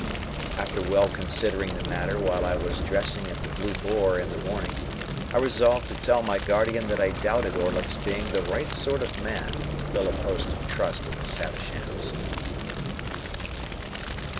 After well considering the matter while I was dressing at the Blue Boar in the morning, I resolved to tell my guardian that I doubted Orlick's being the right sort of man to fill a post of trust at Miss Havisham's.